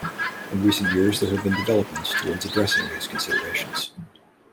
In recent years, there have been developments towards addressing these considerations.